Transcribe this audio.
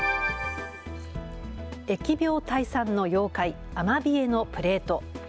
疫病退散の妖怪、アマビエのプレート。